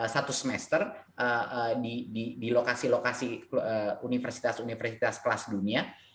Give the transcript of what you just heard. satu semester di lokasi lokasi universitas universitas kelas dunia